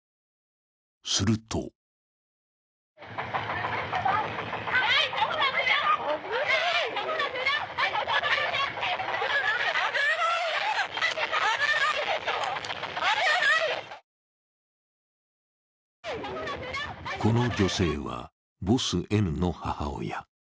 するとこの女性はボスＮの母親。